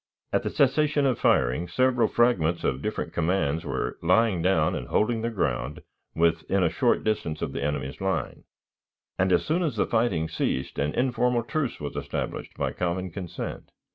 At the cessation of firing, several fragments of different commands were lying down and holding their ground within a short distance of the enemy's line, and, as soon as the fighting ceased, an informal truce was established by common consent.